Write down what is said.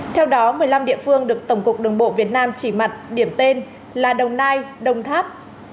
theo đó một mươi năm địa phương được tổng cục đường bộ việt nam chỉ mặt điểm tên là đồng nai đồng tháp